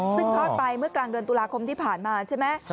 ซึ่งทอดไปเมื่อกลางเดือนตุลาคมที่ผ่านมาใช่ไหม